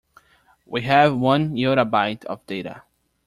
We have one yottabyte of data.